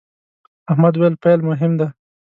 احمد وويل: پیل مهم دی.